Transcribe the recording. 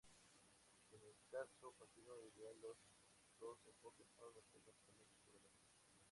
En el caso continuo ideal, los dos enfoques son matemáticamente equivalentes.